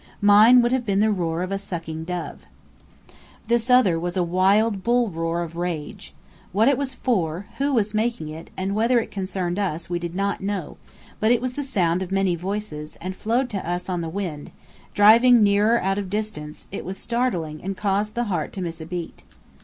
Mine would have been the roar of a sucking dove. This other was a wild bull roar of rage. What it was for, who was making it, and whether it concerned us, we did not know; but it was the sound of many voices, and flowing to us on the wind, driving nearer out of distance, it was startling and caused the heart to miss a beat.